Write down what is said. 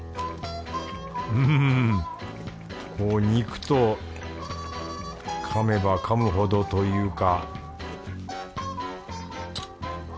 うん肉とかめばかむほどというか